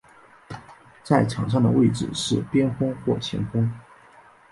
在场上的位置是边锋或前锋。